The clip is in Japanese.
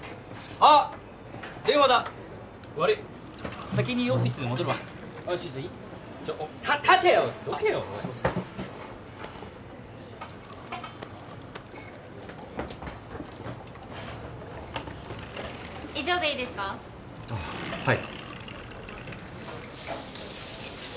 あっはい。